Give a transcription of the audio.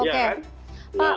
nah itu betul